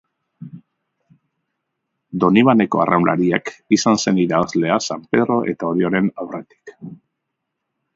Donibaneko Arraunlariak izan zen irabazlea San Pedro eta Orioren aurretik.